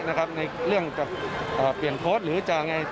ในเรื่องจะเปลี่ยนโพสต์หรือจะยังไง